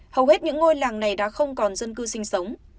hầu hết những ngôi làng này đã không còn dân cư sinh sống